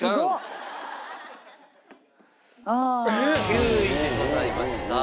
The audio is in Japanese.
９位でございました。